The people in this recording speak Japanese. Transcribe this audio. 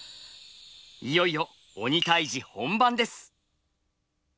いよいよ鬼退治本番です。